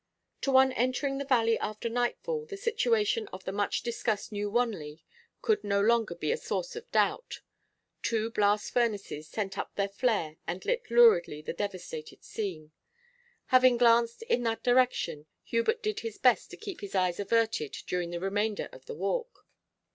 To one entering the valley after nightfall the situation of the much discussed New Wanley could no longer be a source of doubt. Two blast furnaces sent up their flare and lit luridly the devastated scene. Having glanced in that direction Hubert did his best to keep his eyes averted during the remainder of the walk.